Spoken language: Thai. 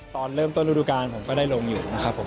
ตอนเริ่มต้นฤดูการผมก็ได้ลงอยู่นะครับผม